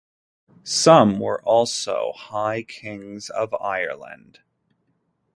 Some were also High Kings of Ireland.